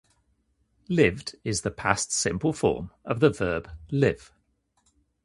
"Lived" is the past simple form of the verb "live".